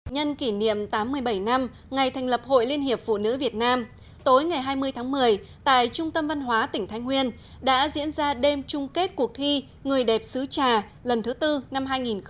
nhân kỷ niệm tám mươi bảy năm ngày thành lập hội liên hiệp phụ nữ việt nam tối ngày hai mươi tháng một mươi tại trung tâm văn hóa tỉnh thái nguyên đã diễn ra đêm chung kết cuộc thi người đẹp xứ trà lần thứ tư năm hai nghìn một mươi chín